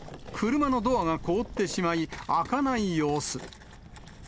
車のドアが凍ってしまい、開かない様子。